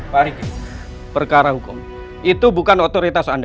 pak riki perkara hukum itu bukan otoritas anda